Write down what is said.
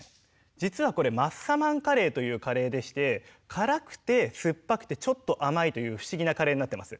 実はこれマッサマンカレーというカレーでして辛くて酸っぱくてちょっと甘いという不思議なカレーになってます。